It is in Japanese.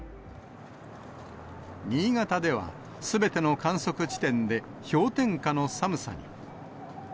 新潟では、すべての観測地点で氷点下の寒さに。